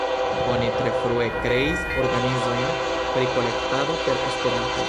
Oni tre frue kreis organizojn pri kolektado per Esperanto.